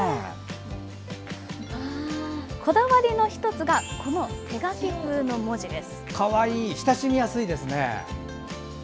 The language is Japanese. こだわりの１つが手書き風の文字です。